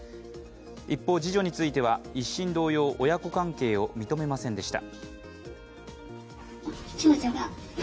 一方、次女については、１審同様、親子関係を認めませんでした。